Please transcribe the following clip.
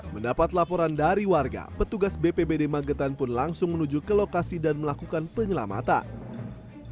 mendapat laporan dari warga petugas bpbd magetan pun langsung menuju ke lokasi dan melakukan penyelamatan